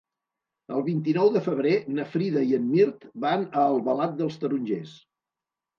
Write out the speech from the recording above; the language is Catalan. El vint-i-nou de febrer na Frida i en Mirt van a Albalat dels Tarongers.